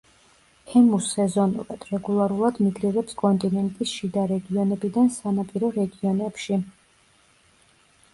ემუ სეზონურად, რეგულარულად მიგრირებს კონტინენტის შიდა რეგიონებიდან სანაპირო რეგიონებში.